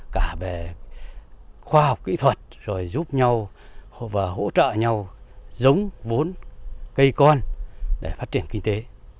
cả về khoa học kỹ thuật rồi giúp nhau và hỗ trợ nhau giống vốn cây con để phát triển kinh tế